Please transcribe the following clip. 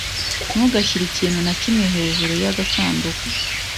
Ntugashyire ikintu na kimwe hejuru yagasanduku.